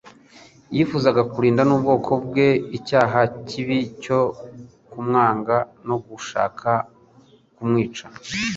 Yifuzaga cyane kurinda nh'ubwoko bwe icyaha kibi cyo kumwanga no gushaka kumwica.